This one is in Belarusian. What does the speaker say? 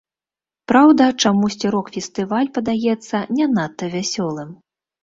Праўда, чамусьці рок-фестываль падаецца не надта вясёлым.